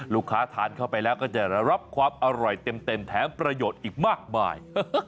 ลูกค้าทานเข้าไปแล้วก็จะรับความอร่อยเต็มแถมประโยชน์อีกมากมาย